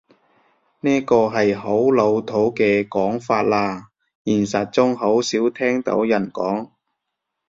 呢個係好老土嘅講法喇，現實中好少聽到人講